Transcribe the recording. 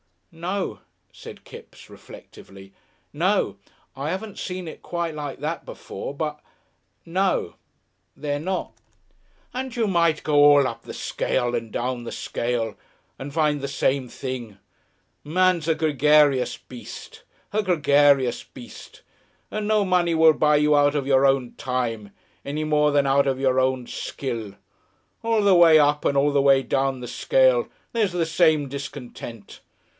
"No," said Kipps, reflectively. "No. I 'aven't seen it quite like that before, but . No. They're not." "And you might go all up the scale and down the scale and find the same thing. Man's a gregarious beast, a gregarious beast, and no money will buy you out of your own time any more than out of your own skill. All the way up and all the way down the scale there's the same discontent.